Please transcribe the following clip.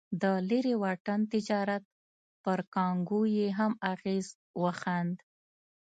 د لرې واټن تجارت پر کانګو یې هم اغېز وښند.